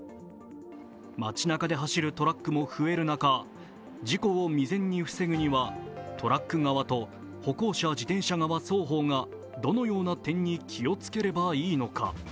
街なかで走るトラックも増える中、事故を未然に防ぐにはトラック側と歩行者、自転車側双方がどのような点に気をつければいいのか。